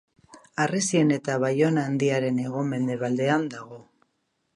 Harresien eta Baiona Handiaren hego-mendebaldean dago.